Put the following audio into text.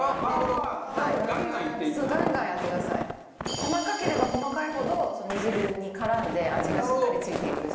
細かければ細かいほど煮汁に絡んで味がしっかり付いていくので。